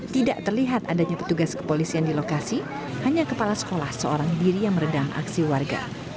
tidak terlihat adanya petugas kepolisian di lokasi hanya kepala sekolah seorang diri yang meredam aksi warga